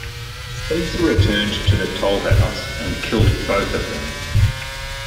Spencer returned to the toll house and killed both of them.